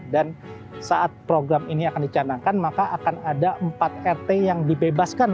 dan saat program ini akan dicadangkan maka akan ada empat rt yang dibebaskan